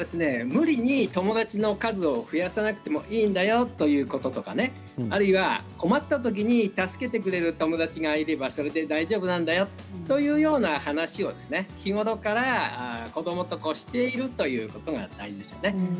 無理に友達の数を増やさなくてもいいんだよということとかあるいは困ったときに助けてくれる友達がいればそれで大丈夫なんだよというような話を日頃から子どもとしているということが大事ですね。